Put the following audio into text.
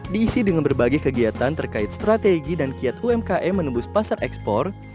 diisi dengan berbagai kegiatan terkait strategi dan kiat umkm menembus pasar ekspor